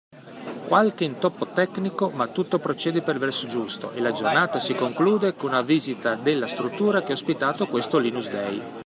Qualche intoppo tecnico ma tutto procede per il verso giusto e la giornata si conclude con una visita della struttura che ha ospitato questo Linux Day.